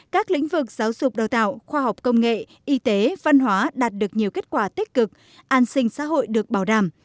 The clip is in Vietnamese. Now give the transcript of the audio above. các lĩnh vực giáo dục đào tạo khoa học công nghệ y tế văn hóa đạt được nhiều kết quả tích cực an sinh xã hội được bảo đảm